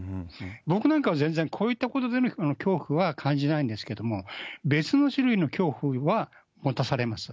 僕なんかは全然、こういったことでの恐怖は感じないんですけれども、別の種類の恐怖は持たされます。